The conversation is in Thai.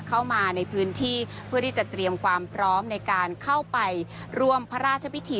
เข้ามาในพื้นที่เพื่อที่จะเตรียมความพร้อมในการเข้าไปร่วมพระราชพิธี